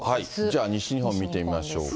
じゃあ、西日本見てみましょうか。